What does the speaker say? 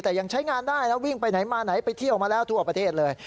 แต่ยังใช้งานได้นะวิ่งไปไหนมาไหนไปเที่ยวมาแล้วทั่วประเทศเลย